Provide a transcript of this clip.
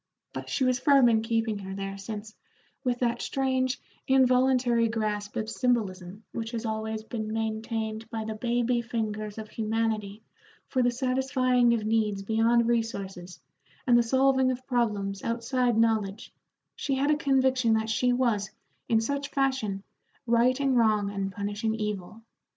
But she was firm in keeping her there, since, with that strange, involuntary grasp of symbolism which has always been maintained by the baby fingers of humanity for the satisfying of needs beyond resources and the solving of problems outside knowledge, she had a conviction that she was, in such fashion, righting wrong and punishing evil.